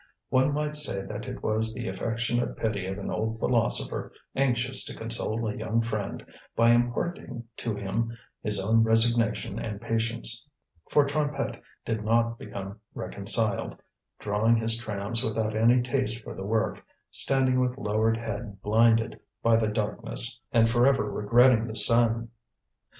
One might say that it was the affectionate pity of an old philosopher anxious to console a young friend by imparting to him his own resignation and patience; for Trompette did not become reconciled, drawing his trams without any taste for the work, standing with lowered head blinded by the darkness, and for ever regretting the sun.